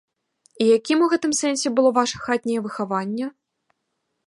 І якім у гэтым сэнсе было ваша хатняе выхаванне?